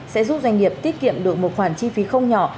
sẽ giúp doanh nghiệp tiết kiệm được một khoản chi phí không nhỏ